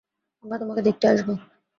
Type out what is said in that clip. আমরা তোমাকে দেখতে আসবো।